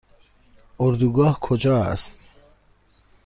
اردوگاه کجا است؟